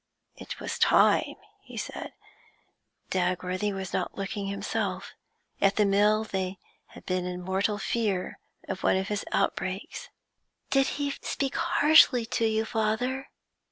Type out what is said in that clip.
It was time, he said; Dagworthy was not looking himself; at the mill they had been in mortal fear of one of his outbreaks. 'Did he speak harshly to you, father?'